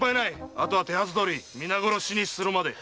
あとは手はずどおり皆殺しにするまで。